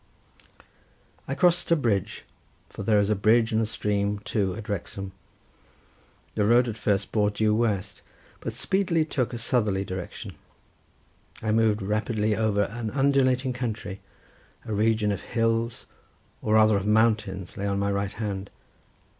I crossed a bridge, for there is a bridge and a stream too at Wrexham. The road at first bore due west, but speedily took a southerly direction. I moved rapidly over an undulating country; a region of hills or rather of mountains lay on my right hand.